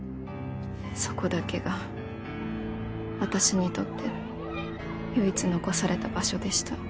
そこだけが私にとっての唯一残された場所でした。